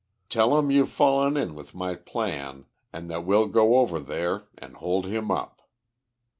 Tell him you've fallen in with my plans, and that we'll go over there and hold him up.